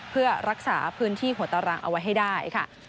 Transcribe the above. เพื่อรักษาพื้นที่หัวตารางเอาไว้ให้ได้ค่ะ